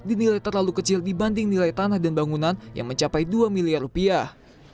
dinilai terlalu kecil dibanding nilai tanah dan bangunan yang mencapai dua miliar rupiah